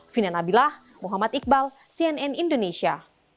vina nabilah muhammad iqbal cnn indonesia